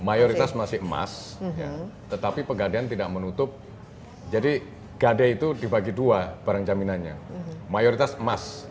mayoritas masih emas tetapi pegadean tidak menutup jadi gade itu dibagi dua barang jaminannya mayoritas emas